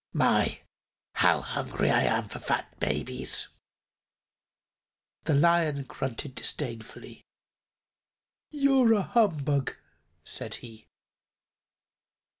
My, how hungry I am for fat babies!" The Lion grunted disdainfully. "You're a humbug," said he.